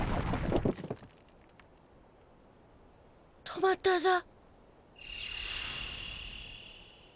止まっただ。